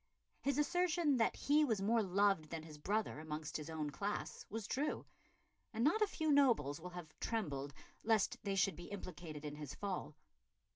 His assertion that he was more loved than his brother amongst his own class was true, and not a few nobles will have trembled lest they should be implicated in his fall.